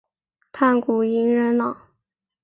炭谷银仁朗。